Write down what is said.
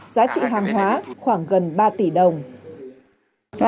giá trị hàng hóa khoảng gần ba tỷ đồng